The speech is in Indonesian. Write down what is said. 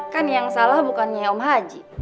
kan yang salah bukannya om haji